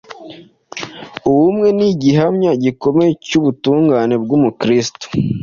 Ubumwe ni igihamya gikomeye cy’ubutungane bw’Umukristo.